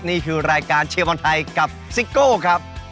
นี่คือรายการเชียร์บอลไทยกับซิโก้ครับ